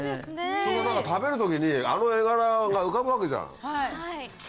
食べる時にあの画柄が浮かぶわけじゃん。